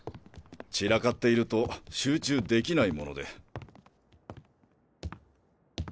散らかっていると集中できないもので。